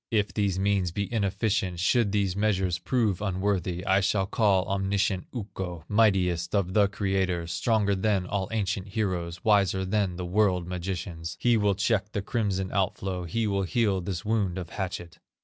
"If these means be inefficient, Should these measures prove unworthy, I shall call omniscient Ukko, Mightiest of the creators, Stronger than all ancient heroes, Wiser than the world magicians; He will check the crimson out flow, He will heal this wound of hatchet.